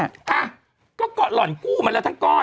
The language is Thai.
อ่ะก็เกาะหล่อนกู้มาแล้วทั้งก้อน